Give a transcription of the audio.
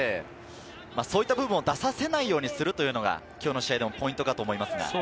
そういった部分を出させないようにするというのが、今日の試合のポイントかと思いますが。